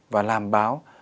và làm báo